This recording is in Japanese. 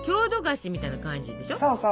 そうそう。